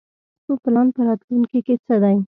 تاسو پلان په راتلوونکي کې څه دی ؟